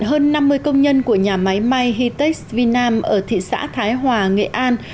hơn năm mươi công nhân của nhà máy may hitex vinam ở thị xã thái hòa nghệ an